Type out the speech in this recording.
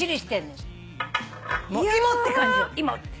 芋って感じよ芋って。